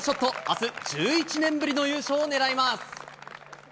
あす、１１年ぶりの優勝を狙います。